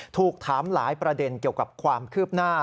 ถูกถามหลายประเด็นเกี่ยวกับความคืบหน้า